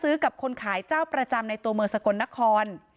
กับคนขายเจ้าประจำในตัวเมืองสกลนคร